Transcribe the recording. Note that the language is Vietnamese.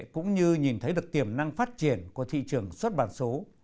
cũng như nhìn thấy được tiềm năng phát triển của thị trường xuất bản số